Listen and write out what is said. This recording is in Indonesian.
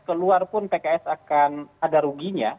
keluar pun pks akan ada ruginya